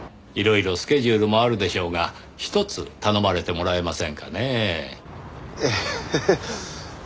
いろいろスケジュールもあるでしょうがひとつ頼まれてもらえませんかねぇ。